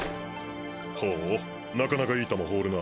ほうなかなかいい球放るな。